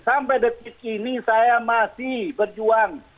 sampai detik ini saya masih berjuang